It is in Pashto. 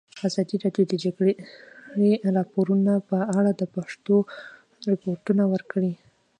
ازادي راډیو د د جګړې راپورونه په اړه د پېښو رپوټونه ورکړي.